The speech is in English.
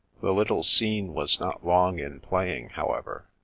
The little scene was not long in playing, however.